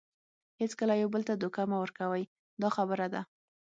هیڅکله یو بل ته دوکه مه ورکوئ دا خبره ده.